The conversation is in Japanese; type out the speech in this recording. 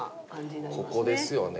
ここですよね